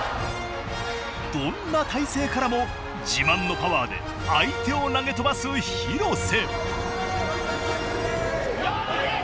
どんな体勢からも自慢のパワーで相手を投げ飛ばす廣瀬。